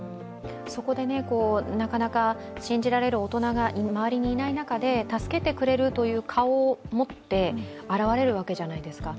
そこで、なかなか信じられる大人が周りにいない中で助けてくれるという顔を持って現れるわけじゃないですか。